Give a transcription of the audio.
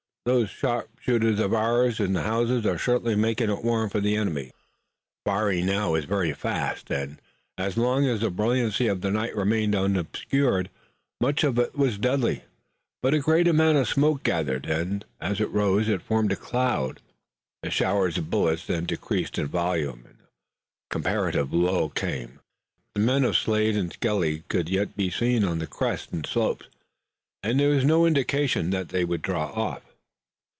Those sharpshooters of ours in the houses are certainly making it warm for the enemy!" The firing was now very fast, and, as long as the brilliancy of the night remained unobscured, much of it was deadly, but a great amount of smoke gathered, and, as it rose, it formed a cloud. The showers of bullets then decreased in volume and a comparative lull came. But the men of Slade and Skelly could yet be seen on the crests and slopes, and there was no indication that they would draw off.